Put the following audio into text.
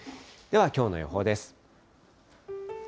ではきょうの予報です。